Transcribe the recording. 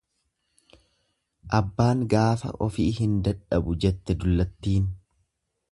Abbaan gaafa ofii hin dadhabu jette dullattiin.